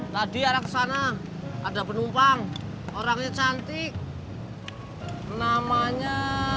tadi arah kesana ada penumpang orangnya cantik namanya